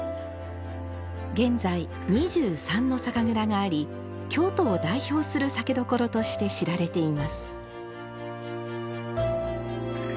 現在２３の酒蔵があり京都を代表する酒どころとして知られています